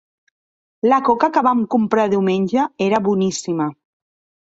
La coca que vam comprar diumenge era boníssima.